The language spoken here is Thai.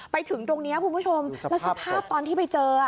ไปถึงตรงนี้คุณผู้ชมแล้วสภาพตอนที่ไปเจอ